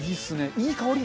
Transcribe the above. いい香り！